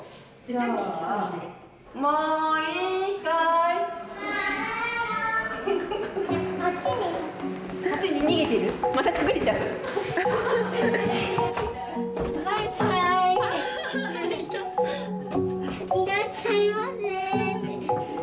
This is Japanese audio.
いらっしゃいませ。